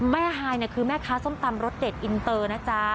ฮายคือแม่ค้าส้มตำรสเด็ดอินเตอร์นะจ๊ะ